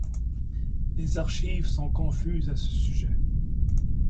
Les archives sont confuses à ce sujet.